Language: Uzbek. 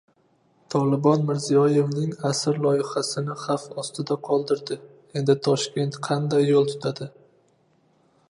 “Tolibon” Mirziyoyevnig “Asr loyihasi”ni xavf ostida qoldirdi. Endi Toshkent qanday yo‘l tutadi?